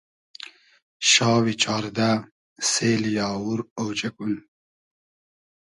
شاوی چاردۂ سېلی آوور اۉجئگون